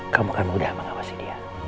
kamu akan mudah mengawasi dia